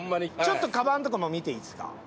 ちょっとカバンとかも見ていいですか？